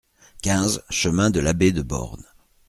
quinze chemin de l'Abbé de Born